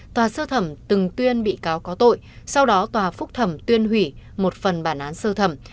tòa sơ thẩm từng tuyên bị cáo có tội sau đó tòa phúc thẩm tuyên hủy một phần bản án sơ thẩm